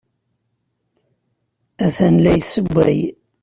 Atan la yessewway.